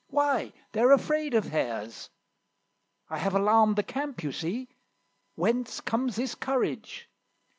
Why, they're afraid of Hares! I have alarmed the camp, you see. Whence comes this courage?